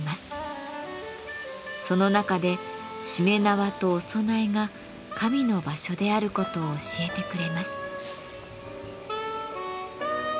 その中でしめ縄とお供えが神の場所であることを教えてくれます。